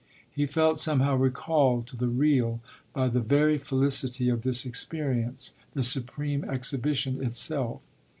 He felt somehow recalled to the real by the very felicity of this experience, the supreme exhibition itself.